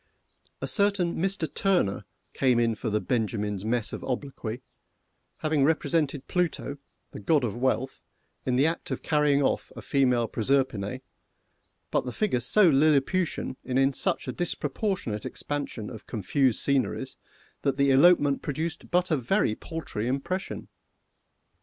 A certain Mister TURNER came in for the BENJAMIN'S mess of obloquy, having represented Pluto, the god of wealth, in the act of carrying off a female Proserpine, but the figures so Lilliputian, and in such a disproportionate expansion of confused sceneries, that the elopement produced but a very paltry impression.